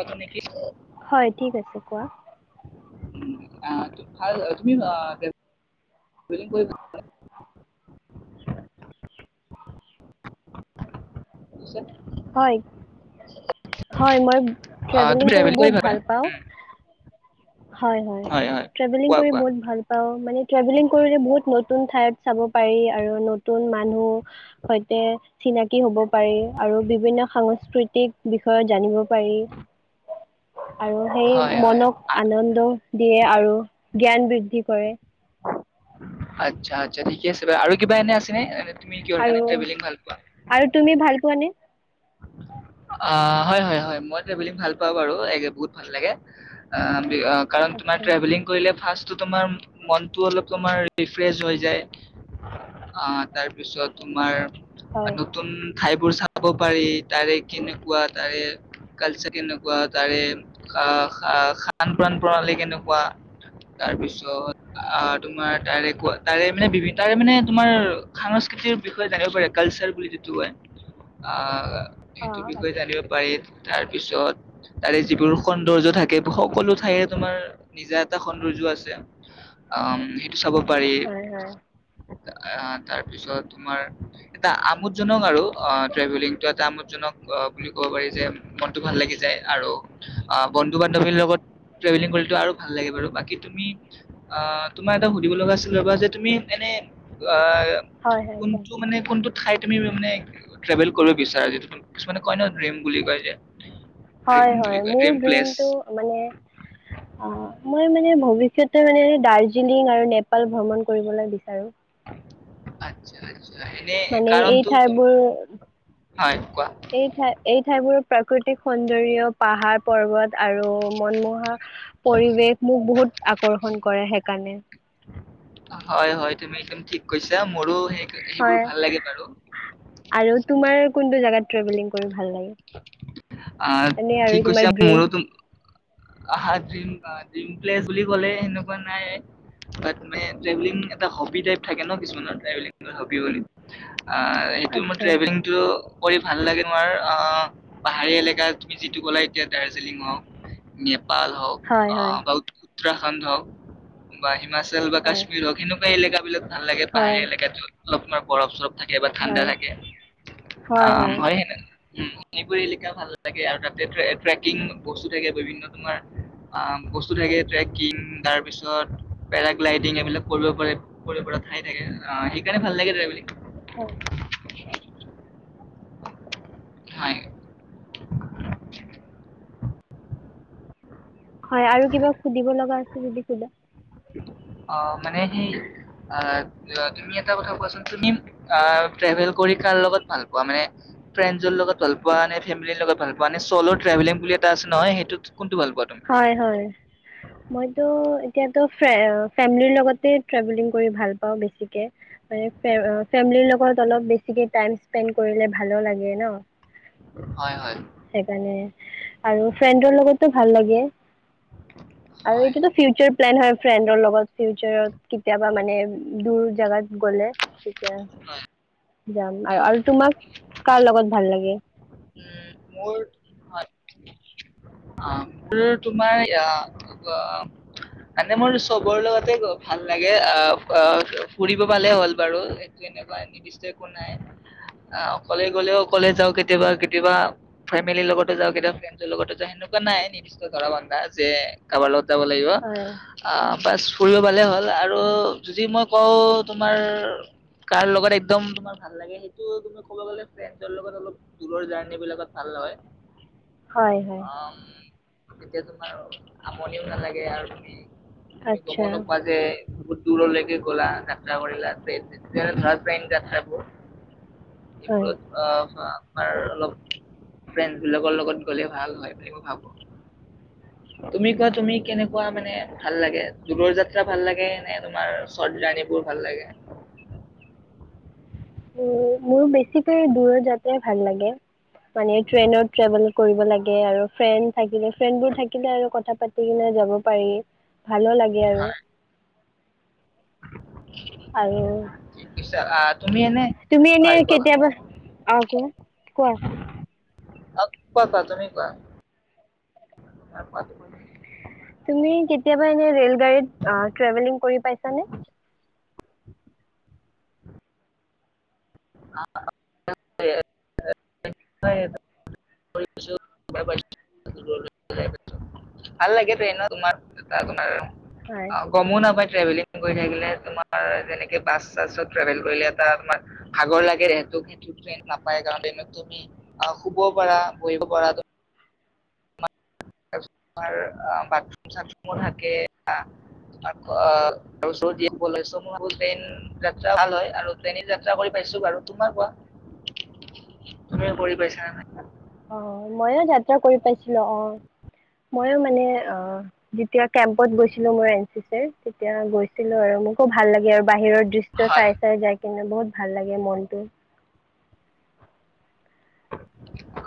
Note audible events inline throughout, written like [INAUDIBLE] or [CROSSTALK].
অথনি। হয় ঠিক আছে কোৱা। [INAUDIBLE] [UNINTELLIGIBLE] তুমি কৰি [UNINTELLIGIBLE] শে হয়, হয়, মই ট্ৰেভেলিং কৰি বহুত ভাল পাওঁ। হয়, হয় ট্ৰেভেলিং কৰি বউত ভাল পাওঁ মানে ট্ৰেভেলিং কৰিলে বউত ন নতুন ঠাইত চাব পাৰি আৰু নতুন মানুহ, সৈতে চিনাকি হ'ব পাৰি আৰু বিভিন্ন সাংস্কৃতিক বিষয়ে জানিব পা পাৰি, আৰু সেই হয় হয় মনক। আ- আনন্দ, দিয়ে আৰু জ্ঞান বৃদ্ধি কৰে। আচ্ছা আচ্ছা ঠিকে আছে বাৰু আৰু কিবা এনে আছে ন এনে। তুমি কিহৰ কাৰণে আৰু ট্ৰেভেলিং ভাল পোৱা আৰু তুমি ভাল। কোনে। অ' হয় হয় হয় মই ট্ৰেভেলিং ভাল পাওঁ বাৰু বহুত ভাল লাগে। অ' কাৰণ তোমাৰ আচ্ছা ট্ৰেভেলিং কৰিলে ফাৰ্ষ্ট। তোমাৰ মনটো অলপ তোমাৰ ডিফ্ৰেচ হৈ যায় অ। তাৰপিছত তোমাৰ হয় নতুন। ঠাইবোৰ চাব পাৰি ডাইৰেক্। কেনেকুৱা তাৰে কালচাৰ কেনেকুৱা তাৰে আহ খান প্ৰাণ প্ৰণালী কেনেকুৱা। তাৰপিছত আহ হয় তোমাৰ ডাইৰেক্ট। বোৰ তাৰে মানে তাৰে মানে তোমাৰ সংস্কৃতিৰ বিষয়ে জানিব পাৰে কালচাৰ বুলি যিটো কয় আহ সেইটো অঁ বিষয়ে আচ্ছা জানিব পাৰি। তাৰ পিছত তাৰে যিবোৰ সৌন্দৰ্য থাকে সকলো ঠাইৰে তোমাৰ নিজা এটা সৌন্দৰ্য আছে অ চাব পাৰি। হয় হয় অ' তাৰপিছত তোমাৰ এটা আমোদজনক আৰু অ ট্ৰেভেলিংটো এটা আমোদ। ক বুলি ক'ব পাৰি যে মনতটো ভাল লাগি যায় আমোদজনক বুলিব পাৰি যে মনটো ভাল লাগি যায় আৰু বন্ধু বান্ধৱীৰ লগত ট্ৰেভেলিং কৰি আৰু ভাল লাগিব বাৰু বাকী তুমি তোমাৰ এটা সুধিব লগা আছিল ৰবা যে তুমি মোক এনে অ'। হয় হয় কোৱা কোনটো মানে কোনটোত। খাই তুমি মানে ট্ৰেভেল কৰিব বিচাৰে এই টো টো। কিছুমানে কয় নহয়। হয় বুলি হয় কয় মোৰ ড্ৰীমটো মানে অ মই মানে ভবিষ্যত। কেতিয়াবা মানে দাৰ্জিলিং আৰু নেপাল ভ্ৰমণ কৰিবলৈ বিচাৰোঁ। হয়। মানে এই ঠাইবোৰ হয় কোৱা এই ঠাই এই ঠাইবোৰৰ। প্ৰাকৃতিক সৌন্দৰ্য পাহাৰ পৰ্বত। আৰু মনমোহা পৰিৱেশ মোক বহুত আকৰ্ষণ কৰে সেইকাৰণে। এতিয়া মোৰো। সেই সেইবোৰ হয় ভাল লাগে বাৰু। আৰু তোমাৰ কোনটো জেগাত। ট্ৰভেলিং কৰি ভাল। লাগে আহ এনে আৰু ঠিক কৈছে তোমাৰ ড্ৰিম মোৰো তোমাক। আহ ড্ৰীম ড্ৰীম প্লে বুলি কলে সেনেকুৱা নাই বাট এটা হবি টাই থাকে ন কিছুমানৰেলং হ বুলি অ' এইটো মোৰ আচ্ছা ত্ৰেভেলিংটো কৰি ভাল লাগে নোৱাৰ অ' পাহাৰীয়া এলেকা তুমি যিটো গ'লা এতিয়া দাৰ্জিলিং হওক। পাল হওক হয় হয় অ' ব। উ‌‌ওৰাখণ্ড হক বা। হিমাচ বা হয় কশ্মীৰ হক কিন্তু কিলোবিল ভাল লাগে পানী হয় এলেকেৰ, অলপাৰ প পাছত, থাকে বা ঠাণ্ডা হয় থাকে অ' হয় ন উ মিপুৰী এলেিকা ভাল লাগে আৰু তাতে ট্ৰেকিং বস্তু থাকে বিভিন্ন তোমাৰ বস্তু থাকে ট্ৰেকিং তাৰ পিছত পেৰাগ্লাইডিং এইবিলাক কৰিব পাৰে কৰিব ঠাই থাকে সেইকাৰণে ভাল লাগে ট্ৰেভেলিং হয়! [UNINTELLIGIBLE] হয় হয় আৰু কিবা সুধিব লগা, চিলিকুলা, অ মানে সেই তুমি এটা কথা কোৱাচোন তুমি ট্ৰেভেল কৰি কাৰ লগত ভাল পোৱা মানে ফ্ৰেণ্ডৰ লগত ভাল পোৱা নে ফেমিলিৰ লগত ভাল পোৱা নে চল ভেলিং বুলি এটা আছে নহয় সেইটো কোনটো ভাল পোৱা তুমি মইত এতিয়া ফেমিলিৰ লগতে ট্ৰেভেলিং কৰি ভাল পা বেছিকে ফেমিলিৰ লগত অলপেছিক টাইম স্পেড কৰিলে ভালো লাগে ন হয় হয় সেইকাৰণে আৰু ফ্ৰেণ্ডৰ লগতো ভাল ভাল লাগে, আৰু হয় এইটোতো ফিউচাৰ, প্লেন হয় ফ্ৰেণ্ডৰ লগত ফিউচাৰত কেতিয়াবা মানে দূৰ জেগাত, গ'লে তেতিয়া, যাম আৰু আৰু তোমাক কাৰ লগত ভাল লাগে। উোৰ হয় অ মোৰ তোমাৰ মানে মোৰ চবৰ লগতে ভাল লাগে আহ ফুৰিব পালে হ'ল বাৰু সটো এনেকুৱা নিৰ্দিষ্ট একো নাই আহ অকলে গলেও অকলে যাও কেতিয়াবা, কেতিয়াবা ফেমিলিৰ লগতে যাওঁ কেতিয়াবা ফ্ৰেডৰ লগতে যাওঁ সেনেকুৱা নাই নিৰ্দিয় ধৰা বন্ধা যে কাৰোবাৰত, ত যাব লাগিব। হয় ফুৰিবালে হ'ল আৰু যদি মই কওঁ তোমাৰ কাৰ লগত একদম তমাৰ ভাল লাগে সেইটো তুমি কব গলে ফ্ৰে লগত অলপ দ, এইবিলাকত ভাল নহয়। হয় হয় অ' এতিয়া তোমাৰ আমনিও নালাগে আৰু তুমি আমি গম আচ্ছা নো পোৱা যে, বহুত দূৰলৈকে গলা যাত্ৰা কৰিলা [UNINTELLIGIBLE] হয় এইবোৰত অ' আৰ অলপ ফ্ৰেণ্ড বিলাকৰ লগত গলে ভাল হয় বুলি মই ভাবো তুমি কোৱা তুমি কেনেকুৱা মানে ভাল লাগে দূৰৰ যাত্ৰা ভাল লাগে নে তোমাৰ শৰ্ট জাৰ্ণিবোৰ ভাল লাগে। উ মোৰ বেছিকৈ দূৰৰত যাত্ৰাই ভাল লাগে। মানে ট্ৰেইনত ট্ৰেভেল কৰিব লাগে। ফ্ৰেণ্ড থাকিলে ফ্ৰেণ্ড বোৰ থাকিলে আৰু কথা পাতি কিনে যাব পাৰি। ভালো লাগে আৰু হয় [UNINTELLIGIBLE] আৰু ঠিক কৈছা আহ, তুমি এনে তুমি এনে হয় কোৱা কোৱা কেতিয়াবা আহ কোৱা কোৱা। অহ কোৱা কোৱা তুমি কোৱা। তুমি কেতিয়াবা এনে ৰেল গাৰিত ট্ৰেভেলিং কৰি পাইছা। তানে, অ' ভাল লাগে ন তাৰ, হয় অ গমো নাপায়। ট্ৰেভেলিং কৰি থাকিলে তোমাৰ যেনেকে বাছ চাছত ট্ৰেভেল কৰিলে এটা তোমাৰ ভাগৰ লাগে যহেত সেই ট্ৰেইন নাপায় কাৰণ, তুমি অ শুব পাৰা বহিব পাৰা, তাৰ পিছত তোমাৰ বাথৰুম চথম থাকে ম ভাবন যাতা ভাল হয় আৰু ন যাত্ৰা কৰি পাইছো বাৰু তোমাৰ কোৱা তুমি কৰি পাইছা নে নাই, অ ময়ো যাত্ৰা কৰি পাইছিলো অ ময়ো মানে অ যেতিয়া, কেম্পত গৈছিলো মই এন চি চিৰ তেতিয়া গৈছিলো আৰু মোকো ভাল লাগে আৰু বাহিৰৰ দৃশ্য হয় চাই চাই যাই কিনে বহুত ভাল লাগে মনটো।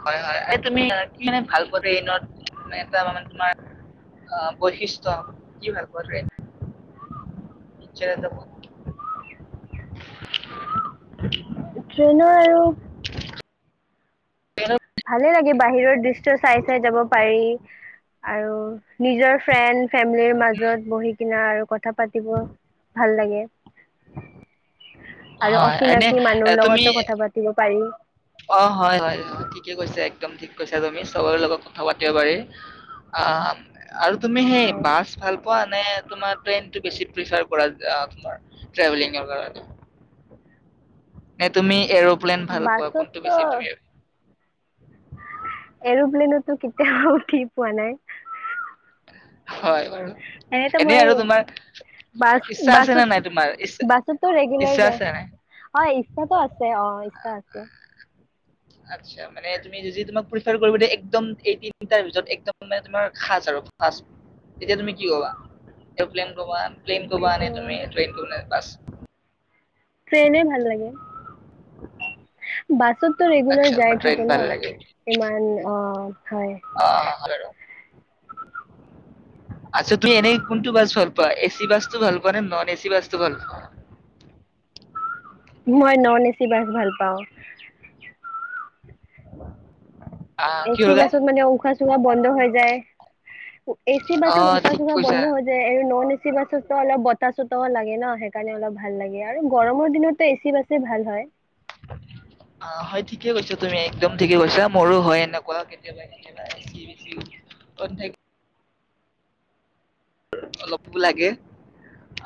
হয় হয় তুমি কি মানে ভাল পোৱা ট্ৰেইনত এটা মানে তোমাৰ বৈশিষ্ট্য় কি ভাল পোৱা ট্ৰেইন নিতে প ট্ৰেইনৰ আৰু ট্ৰেইনত ভালে লাগে বাহিৰৰ দৃশ্য় চাই চাই যাব পাৰি আৰু নিজৰ, ফ্ৰেণ্ড ফেমিলিৰ মাজত বহি কিনা আৰু কথা পাতিব ভাল লাগে। অ' আৰু হয় এনে অচিনাকি এ, মানুহৰ তুমি লগতো কথা পাতিব পাৰি। অ' হয় হয় হয় ঠিকে কৈছো একদম ঠিক কৈছা তুমি চবৰে লগত কথা পাতিব পাৰি অ' আৰু তুমি সেই হয় বাছ ভাল। ভাল পোৱা নে তোমাৰ ট্ৰেইন বেছি পেছাত পোৱা তোমাৰ ট্ৰেভেলিং কাৰণে তুমি [UNINTELLIGIBLE] পলেন ভাল পোৱা পাছত কোনটো বেছি তুমি এৰপ্লেনত টো কেতিয়াও উঠি পোৱা নাই। হয় বাৰু এনেতো এনেই মই আৰু তোমাৰ বাছ ইচ্ছা আছে নে বাছত নাই তোমাৰ বাছতো ইচছ ইচ্ছা আছে নাই? তটো আছে। অ ইচছা আ আছা মানে তুমি যদি তোমাক প্ৰেছৰ কৰিবিয় একম এই তিনিটা ভিতৰত খাছ আৰু খাছ তেতিয়া তুমি কি কবা এ্লেনা, প্লেন এইটো কোবোৱানে তুমি প্লেন কৰা বাছ ট্ৰেইনে ভাল লাগে, বাছতো আচ্ছা ৰেগুলাৰ তোমাৰ যায় ট্ৰেইন থাকো ন, ইমান, অ'। হয় অহ হ আতচা তুমি এনে কোনটো বাছ ভাল পোৱা এচি বাছতটো ভাল পোৱা নে নন এচি বাছটো ভাল পোৱা? মই নন এ চি বাছ ভাল পাওঁ। আহ, কি এচি হ'ল গাই বাছত মানে উশাহ চোশাহ‌ বন্ধ হৈ যায়। এচি অ বাছত উশাহ‌ ঠিক চুশাহ কৈছা বন্ধ হৈ যায় আৰু নন এচি এচি বাছতো অলপ বতাহ চতাহো লাগে ন সেইকাৰণে অলপ ভাল লাগে আৰু গৰমৰ দিনতো এচি বাছেই ভাল হয়। অ হয় ঠিকে কৈছা তুমি একদম ঠিকে কৈছা মোৰো হয় এনেকুৱা কেতিয়াবা-কেতিয়াবা। [UNINTELLIGIBLE] অলপো লাগে।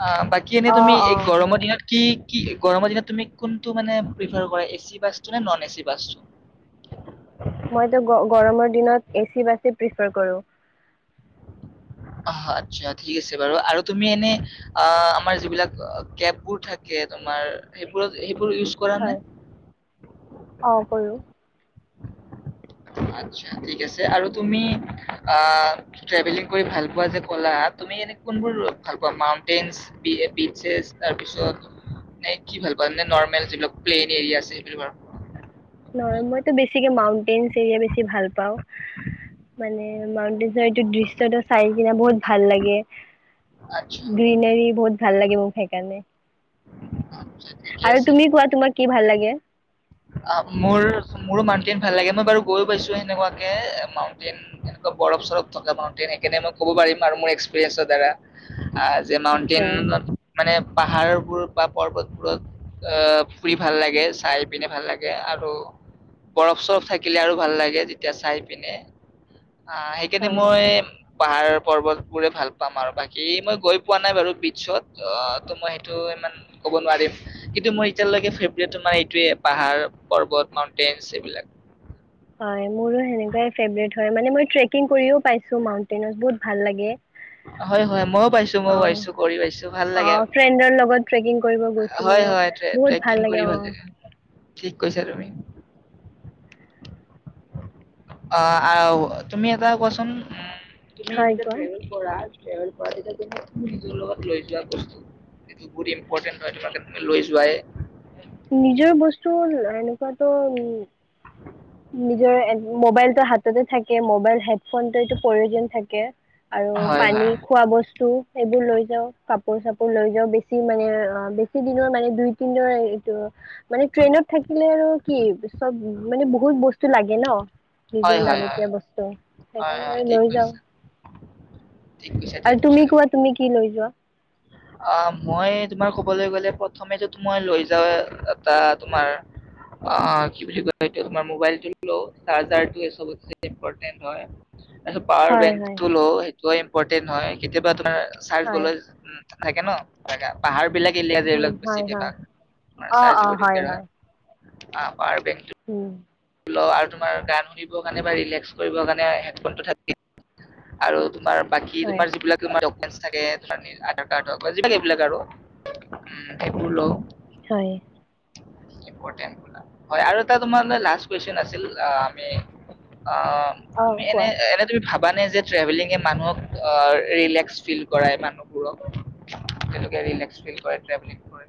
অ', বাকী এনে অ তুমি অ এই হয় গৰমৰ দিনত কি কি গৰমৰ দিনত তুমি কোনটো মানে প্ৰিফাৰ এচি বাছটো নে নন এচি বাছটো? মইতো গৰমৰ দিনত এচি বাছে প্ৰিফাৰ কৰোঁ। অ', আতচা ঠিক আছে বাৰু আৰু তুমি এনে আ আমাৰ যিবিলাক কেববোৰ থাকে তোমাৰ সেইবোৰত সেইবোৰ বোৰ ইউজ কৰা নে? হয় অ', কৰো। আতচা, ঠিক আছ, আৰু তুমি আ ট্ৰেভেলিং কৰি ভাল পোৱা বুলি যে ক'লা তুমি এনেই কোনবোৰ ভাল পোৱা? মাউণ্টেইনচ, বি-বিতচেচ তাৰপিচত নে কি ভাল পোৱা? নৰ্মেল যিবিলাক প্লেইন এৰিয়া আছে সেইবোৰ আৰু [UNINTELLIGIBLE] মইটো বেছিকে মাউণ্টেইনচ এৰিয়া বেছি ভাল পাওঁ মানে মাউণ্টেইনচ দৃশ্যটো চাই কিনে বহুত ভাল লাগে, আচ্ছা গ্ৰীনাৰী বহুত ভাল লাগে মোৰ সেইকাৰণে। আচ্ছা ঠিকে আৰু আছে তুমি কোৱা তোমাৰ কি ভাল লাগে? অ', মোৰ মোৰো মাউণ্টেইন ভাল লাগে মই বাৰু, গৈ পাইছোঁ সেনেকুৱাকে মাউণ্টেইন একদম বৰফ সৰফ থকা মাউণ্টেইন, মই ক'ব পাৰিম মোৰ এক্সেপিৰিয়েঞ্চৰ দ্বাৰা। আ যে আচ্ছা মাউণ্টেইনত মানে পাহাৰবোৰ বা পৰ্বতবোৰ অ', ফুৰি লাগে চাই পিনে ভাল লাগে আৰু বৰফ সৰফ থাকিলে আৰু ভাল লাগে তেতিয়া চাই পিনে। অ', সেইকাৰণে হয় মই পাহাৰ পৰ্বতবোৰে ভাল পাম আৰু বাকী মই গৈ পোৱা নাই বাৰু বিটাত ত মই সেইটো ইমান কব নোৱাৰিম কিন্তু মোৰ এতিয়ালৈকে ফ্ৰেব্ৰেটো নাই এইটোৱেই পাহাৰ পৰ্বত মাউন্টেইনচ এইবিলাক, হয় মোৰো হেনেকোৱাই ফ্ৰেব্ৰেট হয় মানে মই ট্ৰেকিং কৰিও পাইছোঁ মাউন্টেইনত বহুত ভাল লাগে। হয় হয় মইও পাইছোঁ অঁ ভাল লাগে অঁ ফ্ৰেণ্ডৰ লগত ট্ৰেকিং কৰিব গৈছিলোঁ হয় হয় ট্ৰেকিং কৰি ভাল লাগে। থিক কৈছা তুমি। অ' আৰু তুমি এটা কোৱাচোন। তুমি হয় যেতিয়া ট্ৰেভেল কোৱা কৰা। ট্ৰেভেল কৰা [UNINTELLIGIBLE] নিজৰ লগত লৈ যোৱা কোনটো যিটো বহুত ইম্পটেন হয় তোমাৰ কাৰনে লৈ যোৱাই নিজৰ বস্তু এনেকুৱাটো নিজৰ মোবাইলটো হাততে থাকে মবাইল হেডফোন টো এইটো প্ৰয়োজন থাকে। আৰু হয় পানী, হয় খোৱা বস্তু টো সেইবোৰ লৈ যাওঁ কপোৰ চাপোৰ লৈ যাওঁ, বেচি মানে আৰু বেচি দিনৰ মানে দুই তিন দিনৰ এইটো মানে ট্ৰেইনত থাকিলে আৰু কি পিছত মানে বহু বহুত বস্তু লাগে ন হয় নিজৰ হয় হয় লাগতিয়াল বস্তু, হয় সেইকাৰণে হয় আৰু ঠিক লৈ যাওঁ কৈছা ঠিক কৈছা ঠিক আৰু তুমি কোৱা তুমি কি লৈ কিয়? অ মই তোমাৰ ক'বলৈ গ'লে প্ৰথমে টো তোমাৰ লৈ যাওঁ এটা তোমাৰ অ কি বুলি কয়, এইটো তোমাৰ মোবাইল টো লওঁ চাৰ্জাৰ টো এ ছবতচাই ইম্পৰ্টেণ্ট হয়। তাৰপিছত পাৱাৰ হয় বেংক হয় টো লওঁ, সেইটো আৰু পৰ্টেন্ত হয় কেতিয়াবা তাৰ চাৰ্জ হয় গ'লে [UNINTELLIGIBLE] থাকে ন [UNINTELLIGIBLE] পাহাৰ বিলাক [UNINTELLIGIBLE] উম হয় হয় অ চাৰ্জ অ দিব হয় হয় দিওঁ [UNINTELLIGIBLE] উম। [UNINTELLIGIBLE] আৰু তোমাৰ গান শুনিব কাৰণে বা ৰিলেক্স কৰিব কাৰণে হেডফোন টো থাকি [UNINTELLIGIBLE] আৰু তোমাৰ বাকী হয় তোমাৰ যিবিলাক তোমাৰ ডকুমেণ্টছ [UNINTELLIGIBLE] আধাৰ কাৰ্ড হওঁক বা যি লাগে এইবিলাক আৰু [UNINTELLIGIBLE] উম সেইবোৰ লওঁ। হয়। [UNINTELLIGIBLE] হয় আৰু এটা তোমাৰ মানে লাষ্ট কুৱেশ্চন আছিল যা আমি অ' অ তুমি এনে, কোৱা এনে তুমি ভাবি মানে যে ট্ৰেভেলিঙে মানুহক [UNINTELLIGIBLE] ৰিলেক্স ফীল কৰায়, মানুহবোৰক! তেওঁলোকে ৰিলেক্স ফীল কৰে ট্ৰেভেলিং কৰি।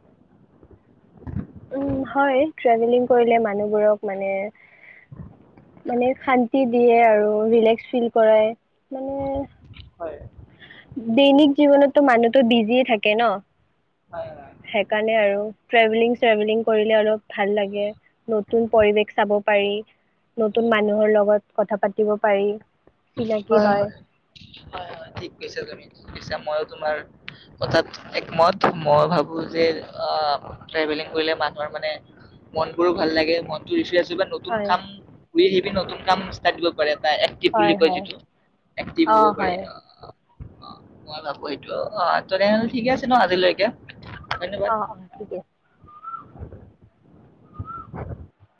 উম হয় ট্ৰেভেলিং কৰিলে মানুহবোৰক মানে, মানে শান্তি দিয়ে আৰু ৰিলেক্স ফীল কৰায়, মানে হয়। দৈনিক জীৱনত টো মানুহটো বিজি এ থাকে হয় ন। হেইকাৰণে আৰু ট্ৰেভেলিং শ্ৰেভেলিং কৰি তেওঁলোক ভাল লাগে নতুন পৰিৱেশ চাব পাৰি নতুন মানুহৰ লগত। কথা পাতিব পাৰি হয় হয়, হয় হয় ঠিক কৈছা তুমি। [UNINTELLIGIBLE] কৈছা মইয়ো তোমাৰ কথাত একমত, মই ভাবোঁ যে অ' ট্ৰেভেলিং কৰিলে মানুহৰ মানে মনবোৰো ভাল লাগে, মনটো ৰিফ্ৰেছ কিবা নতুন হয় কাম [UNINTELLIGIBLE] নতুন কাম ষ্টাৰ্ট কৰিব পাৰে। [UNINTELLIGIBLE] এক্টিভ বুলি হয় কয় হয় যিটো এক্টিভ অ হ'ব হয় পাৰে। অ' মই ভাবোঁ হেইটো অ' তেনেহ'লে ঠিকেই আছে ন আজিলৈকে? ধন্যবাদ অ' ঠিকেই আছে। [INAUDIBLE]